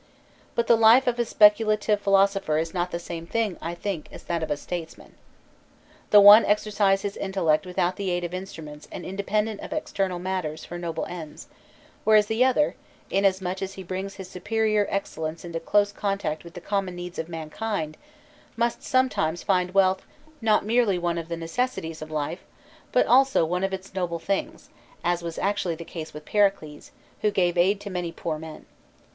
But the life of a specu lative philosopher is not the same thing, I think, as that of a statesman. The one exercises his intellect without the aid of instruments and independent of external matters for noble ends; whereas the other, inasmuch as he brings his superior excellence into close contact with the common needs of mankind, must sometimes find wealth not merely one of the necessities of life, but also one of its noble things, as was actually the case with Pericles, who gave aid to many poor men.